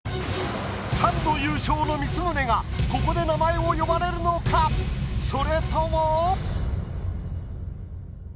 ３度優勝の光宗がここで名前を呼ばれるのか⁉それとも。